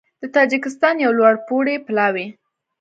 د تاجېکستان یو لوړپوړی پلاوی